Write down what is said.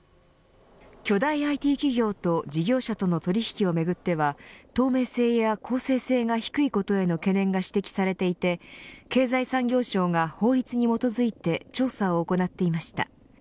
巨大ＩＴ企業と事業者との取引をめぐっては透明性や公正性が低いことへの懸念が指摘されていて経済産業省が法律に基づいて調査を行っていました。